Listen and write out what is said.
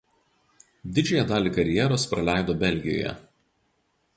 Didžiąją dalį karjeros praleido Belgijoje.